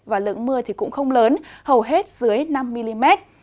và lượng mưa cũng không lớn hầu hết dưới năm mm